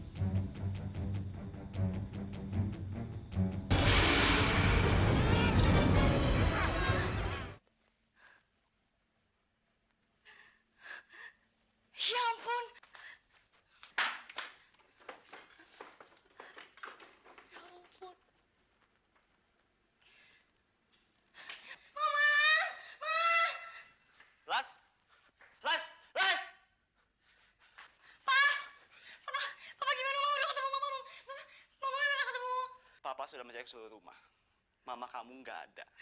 kalau kita biarkan dia berada di sini terus istrimu tidak akan bisa pernah masuk lagi